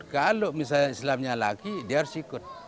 kalau misalnya islamnya lagi dia harus ikut